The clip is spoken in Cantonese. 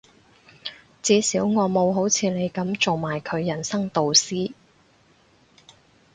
至少我冇好似你噉做埋佢人生導師